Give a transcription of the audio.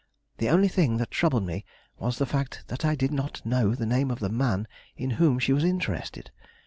The only thing that troubled me was the fact that I did not know the name of the man in whom she was interested.